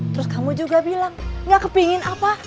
terus kamu juga bilang gak kepingin apa